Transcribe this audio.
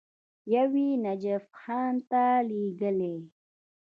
یو یې نجف خان ته لېږلی.